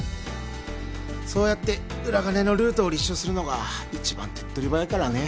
そうやって裏金のルートを立証するのが一番手っ取り早いからね